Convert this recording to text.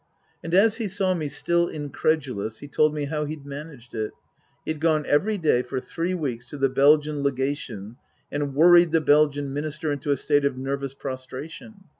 And as he saw me still incredulous he told me how he'd managed it. He had gone every day for three weeks to the Belgian Legation and worried the Belgian Minister into a state of nervous prostration.